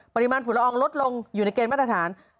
ปริมาณฝุ่นละอองลดลงอยู่ในเกณฑ์มาตรฐาน